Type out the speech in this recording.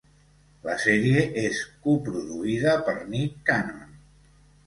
La sèrie és coproduïda per Nick Cannon.